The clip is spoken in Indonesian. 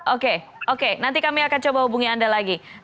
oke oke nanti kami akan coba hubungi anda lagi